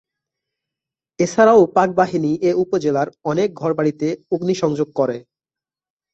এছাড়াও পাকবাহিনী এ উপজেলার অনেক ঘরবাড়িতে অগ্নিসংযোগ করে।